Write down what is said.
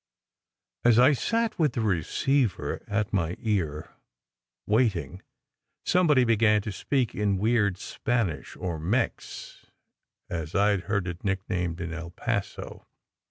As I sat with the receiver at my ear, waiting, somebody began to talk in weird Spanish or "Mex," as I d heard it nicknamed in El Paso.